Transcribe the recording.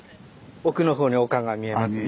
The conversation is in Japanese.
奥のほうに丘が見えますね。